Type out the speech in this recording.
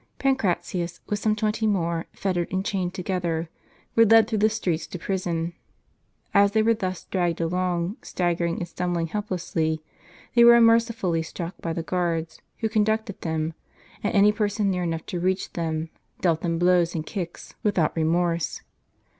Pancratius, with some twenty more, fettered, and chained together, were led through the streets to prison. As they were thus dragged along, staggering and stumbling helplessly, they were unmer cifully struck by the guards who conducted them ; and any persons near enough to reach them, dealt them blows and kicks without remorse.